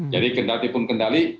jadi ketika dipengendali